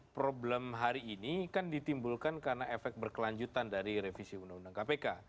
problem hari ini kan ditimbulkan karena efek berkelanjutan dari revisi undang undang kpk